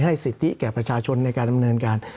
สิทธิแก่ประชาชนในการดำเนินการ